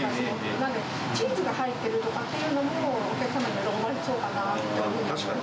なので、チーズが入っているとかっていうのも、お客様に喜ばれそうかなって。確かに。